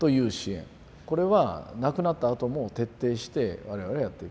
これは亡くなったあとも徹底して我々はやってきた。